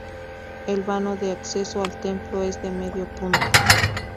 El vano de acceso al templo es de medio punto.